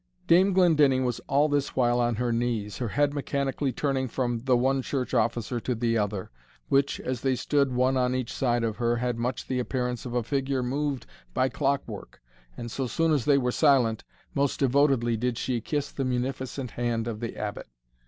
Dame Glendinning was all this while on her knees, her head mechanically turning from the one church officer to the other, which, as they stood one on each side of her, had much the appearance of a figure moved by clock work, and so soon as they were silent, most devotedly did she kiss the munificent hand of the Abbot.